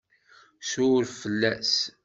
Suref fell-as!